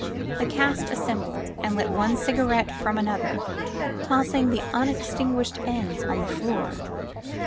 the cast assembled and lit one cigarette from another^ tossing the unextinguished . ends on the floor.